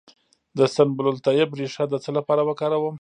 د سنبل الطیب ریښه د څه لپاره وکاروم؟